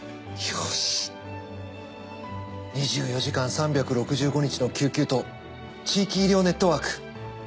２４時間３６５日の救急と地域医療ネットワーク。